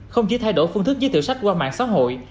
không chỉ thay đổi phương thức giới thiệu sách qua mạng xã hội